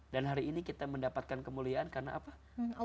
dan hari ini kita mendapatkan kemuliaan karena apa